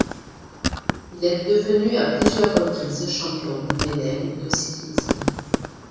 Il est devenu à plusieurs reprises champion du Bénin de cyclisme.